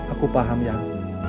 aku paham yang